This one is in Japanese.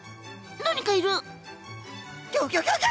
何かいる！